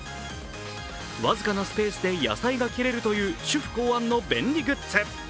僅かなスペースで野菜が切れるという主婦考案の便利グッズ。